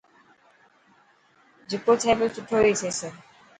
جڪو ٿي پيو سٺو هي ٿيي.